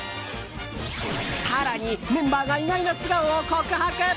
更に、メンバーが意外な素顔を告白。